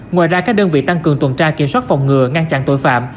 ngoài ra các đơn vị tăng cường tuần tra kiểm soát phòng ngừa ngăn chặn tội phạm